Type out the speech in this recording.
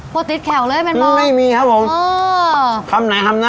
พูดติดแข็วเลยเป็นไหมไม่มีครับผม